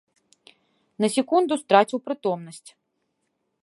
На секунду страціў прытомнасць.